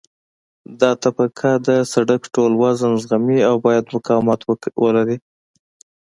دا طبقه د سرک ټول وزن زغمي او باید مقاومت ولري